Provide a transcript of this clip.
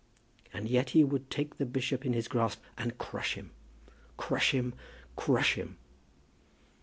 And yet he would take the bishop in his grasp and crush him, crush him, crush him!